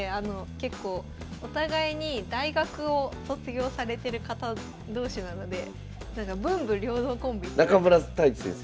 結構お互いに大学を卒業されてる方同士なので中村太地先生？